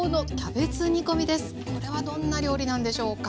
これはどんな料理なんでしょうか？